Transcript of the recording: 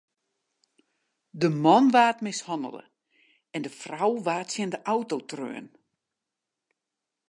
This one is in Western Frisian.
De man waard mishannele en de frou waard tsjin de auto treaun.